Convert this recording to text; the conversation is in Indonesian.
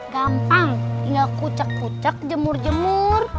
gampang tinggal kucak kucak jemur jemur